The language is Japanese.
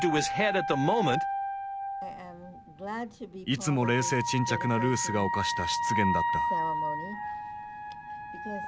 いつも冷静沈着なルースが犯した失言だった。